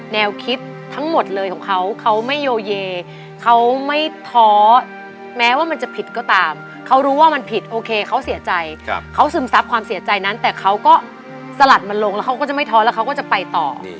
แนวคิดทั้งหมดเลยของเขาเขาไม่โยเยเขาไม่ท้อแม้ว่ามันจะผิดก็ตามเขารู้ว่ามันผิดโอเคเขาเสียใจเขาซึมซับความเสียใจนั้นแต่เขาก็สลัดมันลงแล้วเขาก็จะไม่ท้อแล้วเขาก็จะไปต่อ